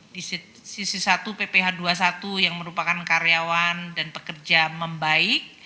di sisi satu pph dua puluh satu yang merupakan karyawan dan pekerja membaik